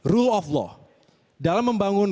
rule of law dalam membangun